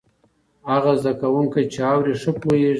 هغه زده کوونکی چې اوري، ښه پوهېږي.